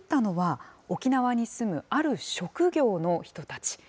作ったのは、沖縄に住むある職業の人たち。